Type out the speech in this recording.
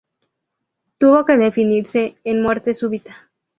Tuvo que definirse en muerte súbita.